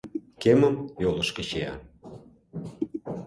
Кемым йолышко чия.